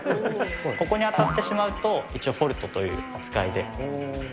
ここに当たってしまうと、一応、フォルトという扱いで。